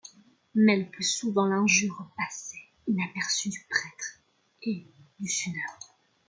Mais le plus souvent, l’injure passait inaperçue du prêtre et du sonneur.